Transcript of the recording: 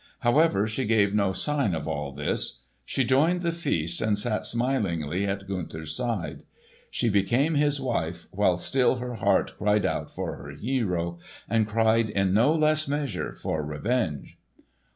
However, she gave no sign of all this. She joined the feast, and sat smilingly at Gunther's side. She became his wife, while still her heart cried out for her hero, and cried in no less measure for revenge!